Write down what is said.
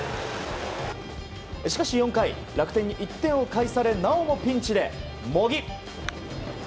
しかし４回、楽天に１点を返されなおもピンチで茂木。